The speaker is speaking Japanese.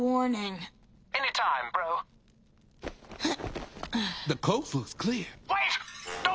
えっ？